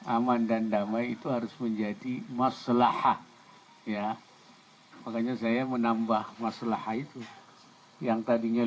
aman dan damai itu harus menjadi masalahak ya makanya saya menambah masalah itu yang tadinya